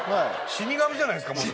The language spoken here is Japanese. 死に神じゃないっすか。